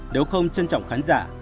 nếu không trân trọng khán giả